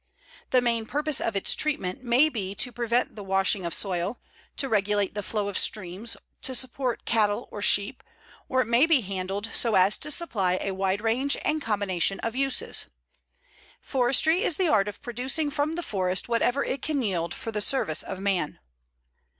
The main purpose of its treatment may be to prevent the washing of soil, to regulate the flow of streams, to support cattle or sheep, or it may be handled so as to supply a wide range and combination of uses. Forestry is the art of producing from the forest whatever it can yield for the service of man.